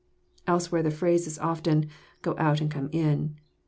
Elsewhere the phrase is often, * go out and come in.'